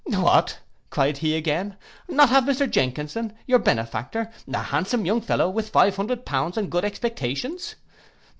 '—'What,' cried he again, 'not have Mr Jenkinson, your benefactor, a handsome young fellow, with five hundred pounds and good expectations!